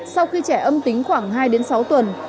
sau khi trẻ âm tính khoảng hai đến sáu tuần